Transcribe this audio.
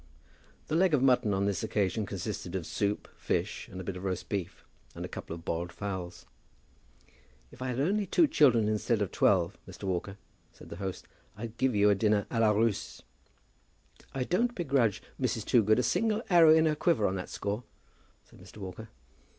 The leg of mutton on this occasion consisted of soup, fish, and a bit of roast beef, and a couple of boiled fowls. "If I had only two children instead of twelve, Mr. Walker," said the host, "I'd give you a dinner à la Russe." "I don't begrudge Mrs. Toogood a single arrow in her quiver on that score," said Mr. Walker.